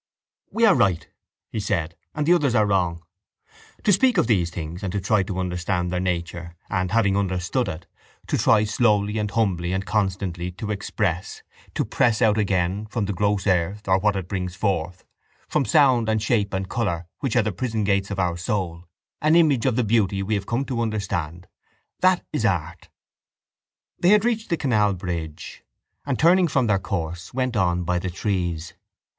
—We are right, he said, and the others are wrong. To speak of these things and to try to understand their nature and, having understood it, to try slowly and humbly and constantly to express, to press out again, from the gross earth or what it brings forth, from sound and shape and colour which are the prison gates of our soul, an image of the beauty we have come to understand—that is art. They had reached the canal bridge and, turning from their course, went on by the trees.